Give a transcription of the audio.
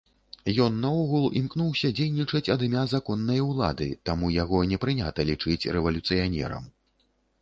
Ён наогул імкнуўся дзейнічаць ад імя законнай улады, таму яго не прынята лічыць рэвалюцыянерам.